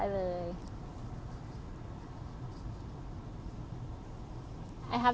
หน้าที่จากตั๋ว